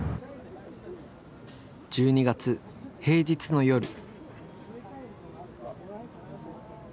１２月平日の夜。